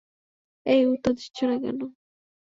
এই, উত্তর দিচ্ছ না কেন?